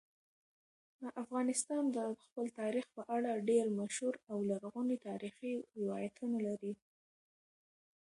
افغانستان د خپل تاریخ په اړه ډېر مشهور او لرغوني تاریخی روایتونه لري.